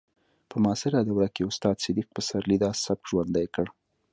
په معاصره دوره کې استاد صدیق پسرلي دا سبک ژوندی کړ